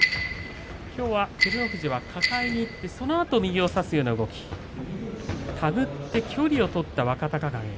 きょうは照ノ富士、抱えにいってそのあと右を差すような動き手繰って距離を取った若隆景